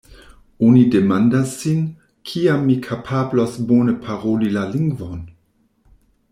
Oni demandas sin: “Kiam mi kapablos bone paroli la lingvon?